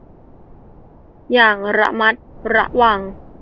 อย่างระมัดระวัง